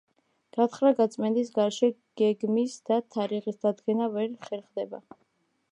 გათხრა-გაწმენდის გარეშე გეგმის და თარიღის დადგენა ვერ ხერხდება.